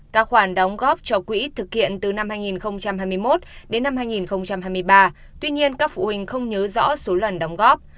các khoản đóng góp cho quỹ thực hiện từ năm hai nghìn hai mươi một đến năm hai nghìn hai mươi ba tuy nhiên các phụ huynh không nhớ rõ số lần đóng góp